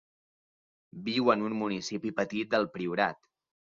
Viu en un municipi petit del Priorat.